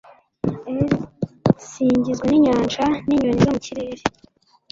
r/ singizwa n'inyanja n'inyoni zo mu kirere